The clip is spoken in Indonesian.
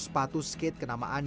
sepatu skate kenamaan dia